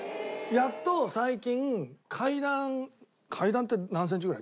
やっと最近階段階段って何センチぐらい？